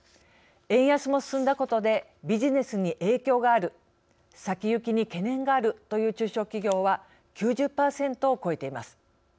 円安も進んだことでビジネスに影響がある先行きに懸念があるという中小企業は９０％を超えています。